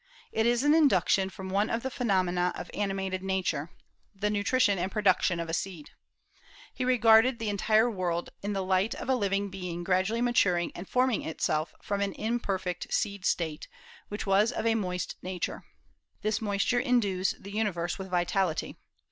It is an induction from one of the phenomena of animated Nature, the nutrition and production of a seed. He regarded the entire world in the light of a living being gradually maturing and forming itself from an imperfect seed state, which was of a moist nature. This moisture endues the universe with vitality.